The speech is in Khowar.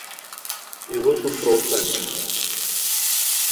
ایغو سُم تورتانی